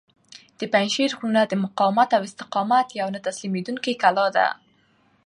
د پنجشېر غرونه د مقاومت او استقامت یوه نه تسلیمیدونکې کلا ده.